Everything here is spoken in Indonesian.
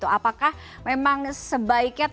apakah memang sebagiannya